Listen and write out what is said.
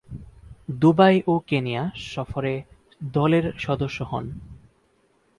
Dubai ও Kenya সফরে দলের সদস্য হন।